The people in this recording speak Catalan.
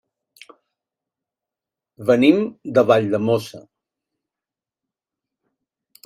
Venim de Valldemossa.